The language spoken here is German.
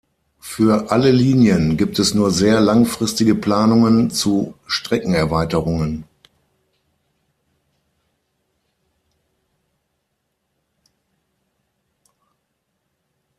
Für alle Linien gibt es nur sehr langfristige Planungen zu Streckenerweiterungen.